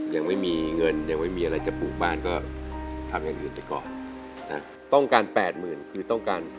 ยังไม่มีเงินยังไม่มีอะไรจะปลูกบ้านก็ทำอย่างดื่มไปก่อนต้องการ๘๐๐๐คือต้องการ๕เพลง